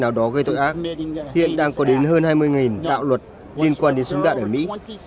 nào đó gây tội ác hiện đang có đến hơn hai mươi đạo luật liên quan đến súng đạn ở mỹ